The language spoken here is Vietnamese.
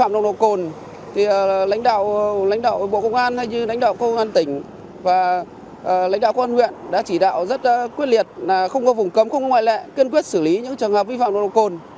ngoài ra lãnh đạo bộ công an lãnh đạo công an tỉnh và lãnh đạo công an huyện đã chỉ đạo rất quyết liệt là không có vùng cấm không có ngoại lệ kiên quyết xử lý những trường hợp vi phạm nồng độ cồn